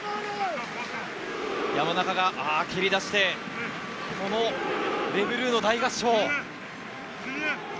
山中が蹴り出して、レ・ブルーの大合唱。